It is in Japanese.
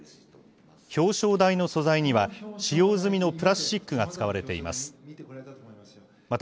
表彰台の素材には、使用済みのプラスチックが使われています。